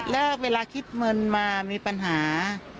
แล้วเวลาคิดเงินมามีปัญหา